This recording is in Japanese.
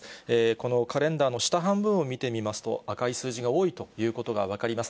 このカレンダーの下半分を見てみますと、赤い数字が多いということが分かります。